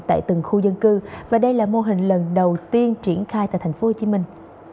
tại từng khu dân cư và đây là mô hình lần đầu tiên triển khai tại thành phố hồ chí minh